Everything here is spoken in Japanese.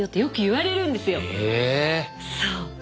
そう。